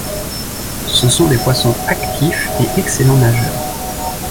Ce sont des poissons actifs et excellents nageurs.